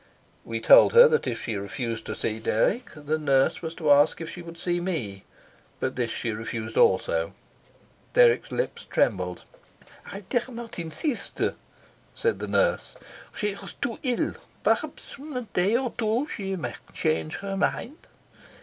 We had told her that if she refused to see Dirk the nurse was to ask if she would see me, but this she refused also. Dirk's lips trembled. "I dare not insist," said the nurse. "She is too ill. Perhaps in a day or two she may change her mind."